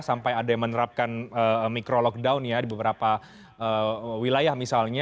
sampai ada yang menerapkan micro lockdown ya di beberapa wilayah misalnya